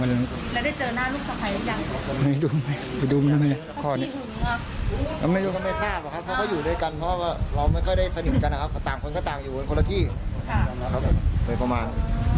แต่ก่อนเกิดเหตุได้คุยกับลูกชายก่อนไหมหรือคุยกับญาติย่านก่อนไหม